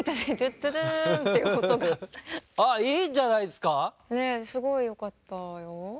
すごいよかったよ。